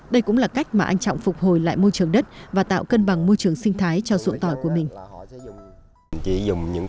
đây cũng là cách mà anh trọng phục hồi lại môi trường đất và tạo cân bằng môi trường sinh thái cho ruộng tỏi của mình